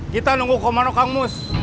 kita nunggu komano kang mus